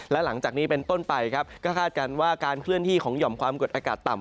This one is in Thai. และหลังจากนี้เป็นต้นไปครับก็คาดการณ์ว่าการเคลื่อนที่ของหย่อมความกดอากาศต่ำ